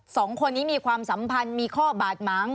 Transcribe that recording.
สองคนนี้มีความสัมพันธ์มีข้อบาดหมาง